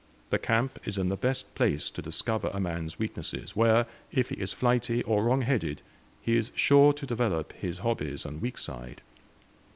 The camp is the best place to discover a man's weaknesses, where, if he is flighty or wrong headed, he is sure to develop his hobbies and weak side.